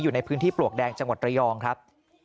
อยู่ในพื้นที่ปลวกแดงจังหวัดระยองครับ